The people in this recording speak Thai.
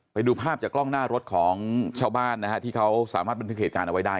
ไปดูภาพจากกล้องหน้ารถของชาวบ้านนะฮะที่เขาสามารถบันทึกเหตุการณ์เอาไว้ได้